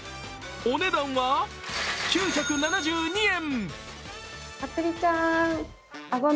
お値段は９７２円。